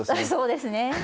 そうですね。